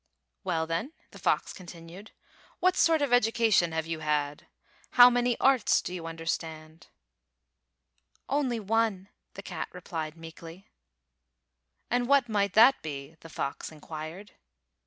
"Well, then," the fox continued, "what sort of education have you had? How many arts do you understand?" "Only one," the cat replied meekly. F airy T ale F oxes 213 "And what might that be?" the fox in quired.